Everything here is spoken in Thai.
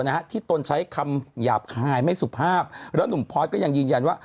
นะฮะที่ตนใช้คำหยาบคายไม่สุภาพแล้วหนุ่มพอร์ตก็ยังยืนยันว่า